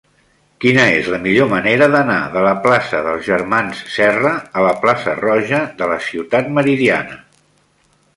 Quina és la millor manera d'anar de la plaça dels Germans Serra a la plaça Roja de la Ciutat Meridiana?